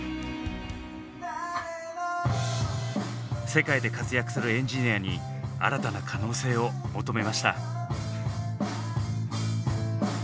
世界で活躍するエンジニアに新たな可能性を求めました。